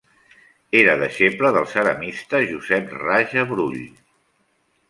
Era deixeble del ceramista Josep Raja Brull.